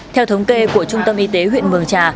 theo thống kê của trung tâm y tế huyện mường trà